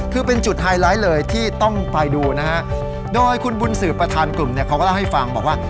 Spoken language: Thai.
คือเป็นจุดไฮไลท์เลยที่ต้องไปดูนะฮะโดยคุณบุญสืบประธานกลุ่มเนี่ยเขาก็เล่าให้ฟังบอกว่า